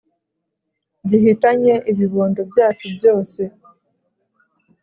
Gihitanye ibibondo byacu byose